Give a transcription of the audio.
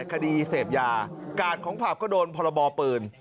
คดีเสพยากาดของผับก็โดนพรบปืน